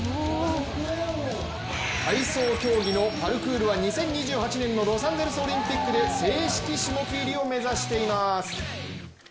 体操競技のパルクールは２０２８年のロサンゼルスオリンピックで正式種目入りを目指しています。